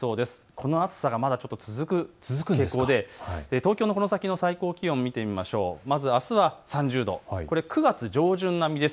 この暑さはまだまだ続く傾向で東京のこの先の最高気温を見てみますと、まずあすは３０度、９月上旬並みです。